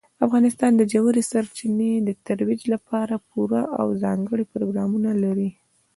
افغانستان د ژورې سرچینې د ترویج لپاره پوره او ځانګړي پروګرامونه لري.